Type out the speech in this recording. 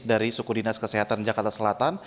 dari suku dinas kesehatan jakarta selatan